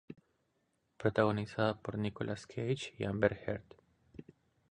Protagonizada por Nicolas Cage y Amber Heard.